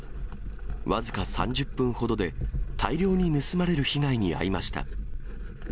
僅か３０分ほどで大量に盗まれる被害に遭いました。